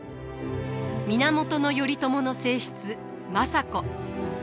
源頼朝の正室政子。